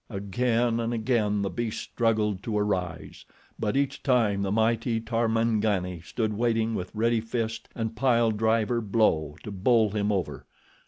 Again and again the beast struggled to arise, but each time the mighty Tarmangani stood waiting with ready fist and pile driver blow to bowl him over.